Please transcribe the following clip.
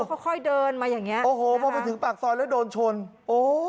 ค่อยค่อยเดินมาอย่างเงี้โอ้โหพอมาถึงปากซอยแล้วโดนชนโอ้